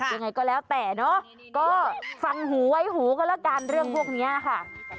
ยังไงก็แล้วแต่เนาะก็ฟังหูไว้หูก็แล้วกันเรื่องพวกนี้ค่ะ